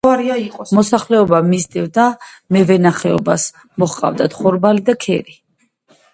მოსახლეობა მისდევდა მევენახეობას, მოჰყავდათ ხორბალი და ქერი.